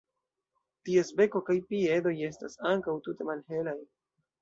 Ties beko kaj piedoj estas ankaŭ tute malhelaj.